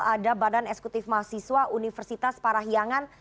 ada badan eksekutif mahasiswa universitas parahiangan